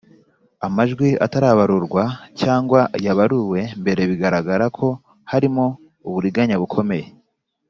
Amajwi atarabarurwa cyangwa yabaruwe mbere biragaragara ko harimo uburiganya bukomeye